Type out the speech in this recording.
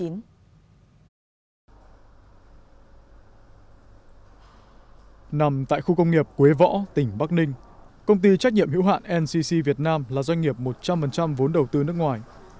nằm tại khu công nghiệp quế võ tỉnh bắc ninh công ty trách nhiệm hữu hạn ncc việt nam là doanh nghiệp một trăm linh vốn đầu tư nước ngoài